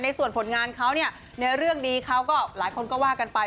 ส่วนผลงานเขาเนี่ยในเรื่องดีเขาก็หลายคนก็ว่ากันไป